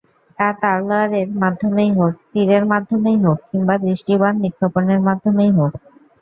তা তলোয়ারের মাধ্যমেই হোক, তীরের মাধ্যমেই হোক কিংবা দৃষ্টি-বাণ নিক্ষেপণের মাধ্যমেই হোক।